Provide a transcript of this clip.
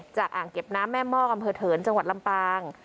อ่างเก็บน้ำแม่มอกอำเภอเถินจังหวัดลำปาง